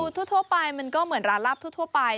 ทั่วไปมันก็เหมือนร้านลาบทั่วไป